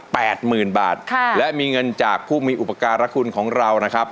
หมื่นบาทค่ะและมีเงินจากผู้มีอุปการะคุณของเรานะครับ